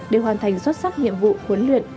để hoàn thành xuất sắc nhiệm vụ huấn luyện